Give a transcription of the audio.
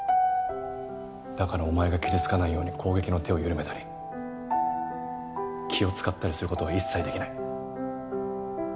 だからお前が傷つかないように攻撃の手を緩めたり気を使ったりする事は一切できない。